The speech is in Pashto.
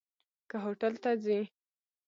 که هوټل ته ځي.